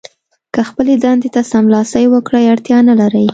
که خپلې دندې ته سلامي وکړئ اړتیا نه لرئ.